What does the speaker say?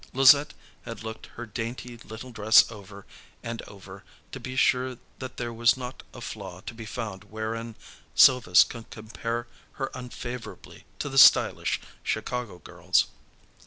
Louisette had looked her dainty little dress over and over to be sure that there was not a flaw to be found wherein Sylves' could compare her unfavourably to the stylish Chicago girls.